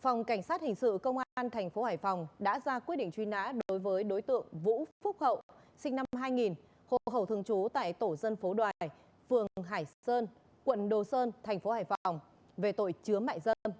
phòng cảnh sát hình sự công an tp hải phòng đã ra quyết định truy nã đối với đối tượng vũ phúc hậu sinh năm hai nghìn hồ khẩu thường trú tại tổ dân phố đoài phường hải sơn quận đồ sơn tp hải phòng về tội chứa mại dân